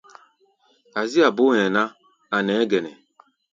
Azía bó hɛ̧ɛ̧ ná, a̧ nɛɛ́ gɛnɛ.